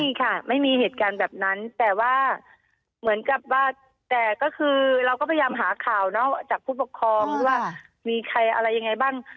ใช่ค่ะไม่มีเหตุการณ์แบบนั้นแต่ว่าเหมือนกับว่าแต่ก็คือเราก็พยายามหาข่าวเนาะจากผู้ปกครองหรือว่ามีใครอะไรยังไงบ้าง